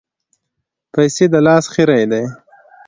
پیسې د لاس خیرې دي.